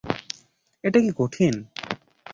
এটা কি কঠিন?